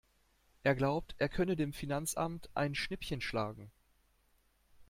Er glaubt, er könne dem Finanzamt ein Schnippchen schlagen.